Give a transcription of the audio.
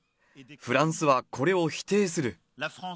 フランスはこれを否定する。